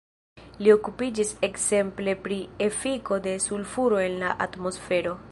Li okupiĝis ekzemple pri efiko de sulfuro en la atmosfero.